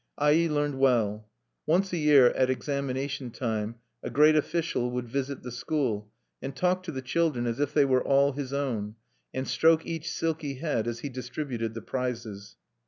Ai learned well. Once a year, at examination time, a great official would visit the school, and talk to the children as if they were all his own, and stroke each silky head as he distributed the prizes.